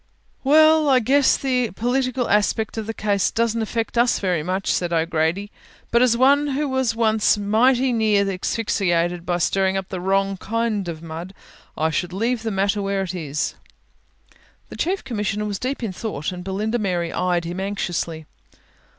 "Well, I guess the political aspect of the case doesn't affect us very much," said O'Grady, "but as one who was once mighty near asphyxiated by stirring up the wrong kind of mud, I should leave the matter where it is." The Chief Commissioner was deep in thought and Belinda Mary eyed him anxiously.